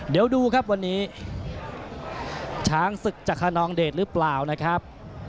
เดี๋ยวดูครับวันนี้ช้างศึกจากคนนองเดชหรือเปล่านะครับ